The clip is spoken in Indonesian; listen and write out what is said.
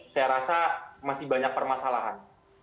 saya rasa masih banyak permasalahan